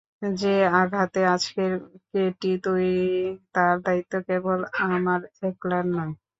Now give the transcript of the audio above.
যে আঘাতে আজকের কেটি তৈরি তার দায়িত্ব কেবল আমার একলার নয়।